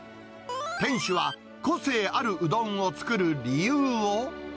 店主は個性あるうどんを作る理由を。